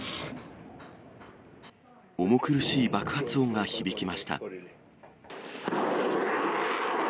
重苦しい爆発音が響きました。